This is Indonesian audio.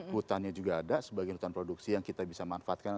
hutannya juga ada sebagian hutan produksi yang kita bisa manfaatkan